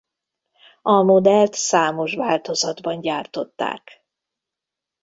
A modellt számos változatban gyártották.